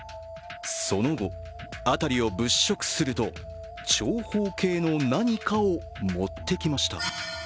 その後、辺りを物色すると長方形の何かを持ってきました。